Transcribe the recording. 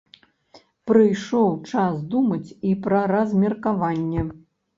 Прыйшоў час думаць і пра размеркаванне.